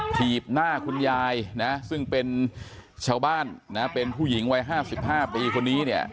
ถีบหน้าคุณยายนะซึ่งเป็นชาวบ้านนะเป็นผู้หญิงวัย๕๕ปีคนนี้เนี่ย